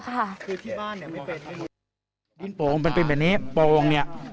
ค่ะคือที่บ้านเนี้ยไม่เป็นดินโป่งมันเป็นแบบนี้โป่งเนี้ย